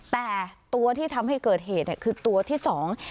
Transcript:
แต่ตัวที่ทำให้เกิดเหตุเนี่ยคือตัวที่สอง